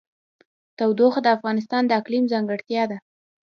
تودوخه د افغانستان د اقلیم ځانګړتیا ده.